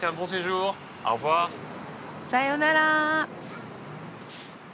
さよなら。